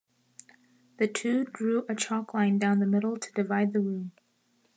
The two drew a chalk line down the middle to divide the room.